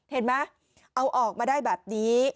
เห็นไหมเอาออกมาได้แบบนี้